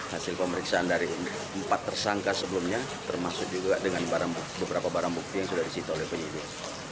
hasil pemeriksaan dari empat tersangka sebelumnya termasuk juga dengan beberapa barang bukti yang sudah disita oleh penyidik